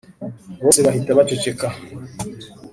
bose bahita bacecekeka